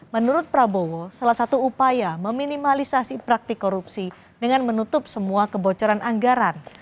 menurut prabowo salah satu upaya meminimalisasi praktik korupsi dengan menutup semua kebocoran anggaran